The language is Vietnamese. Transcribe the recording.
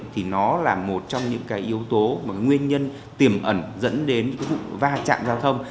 thì nó là một trong những yếu tố và nguyên nhân tiềm ẩn dẫn đến vụ va chạm giao thông